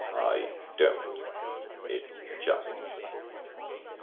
I don't. It's justice.